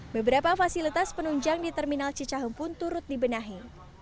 beberapa fasilitas penunjang di terminal cicahem pun turut dibenahi